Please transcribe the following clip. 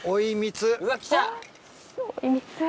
うわ来た！